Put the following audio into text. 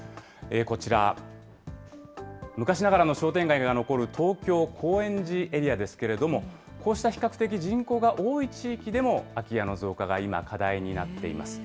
こちら、昔ながらの商店街が残る東京・高円寺エリアですけれども、こうした比較的人口が多い地域でも、空き家の増加が今、課題になっています。